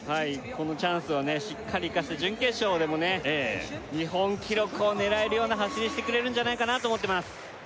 このチャンスをしっかり生かして準決勝でもね日本記録を狙えるような走りしてくれるんじゃないかなと思ってます